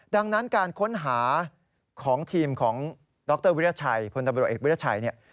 ดังนั้นการค้นหาของทีมของดรวิรัชัยพอเอกวิรัชัย